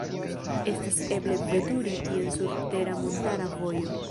Estas eble veturi tien sur tera montara vojo.